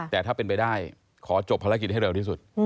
แต่ถ้าเป็นไปได้ขอจบภารกิจให้เร็วที่สุด